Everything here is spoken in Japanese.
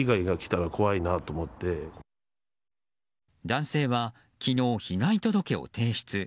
男性は昨日、被害届を提出。